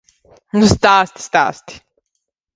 Nu stāsti, stāsti!